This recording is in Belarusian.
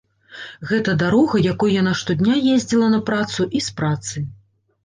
Гэта дарога, якой яна штодня ездзіла на працу і з працы.